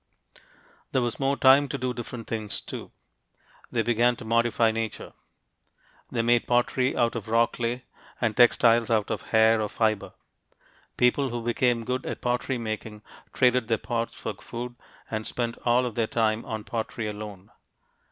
There was more time to do different things, too. They began to modify nature. They made pottery out of raw clay, and textiles out of hair or fiber. People who became good at pottery making traded their pots for food and spent all of their time on pottery alone.